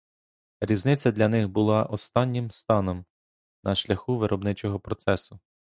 Різниця для них була останнім станом на шляху виробничого процесу.